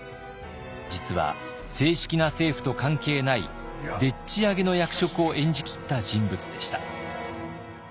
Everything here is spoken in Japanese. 実は正式な政府と関係ないでっちあげの役職を演じきった人物でした。